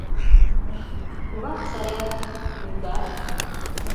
Пурат саят — йӱлдальым.